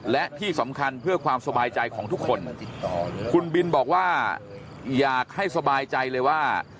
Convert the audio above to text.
และที่สำคัญเพื่อความสบายใจของทุกคนคุณบินบอกว่าอยากให้สบายใจเลยว่า